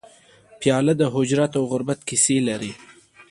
پیاله د هجرت او غربت کیسې لري.